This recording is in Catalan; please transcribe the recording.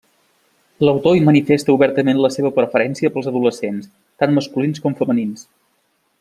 L'autor hi manifesta obertament la seva preferència pels adolescents, tant masculins com femenins.